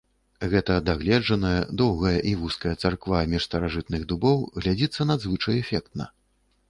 Гэта дагледжаная доўгая і вузкая царква між старажытных дубоў глядзіцца надзвычай эфектна.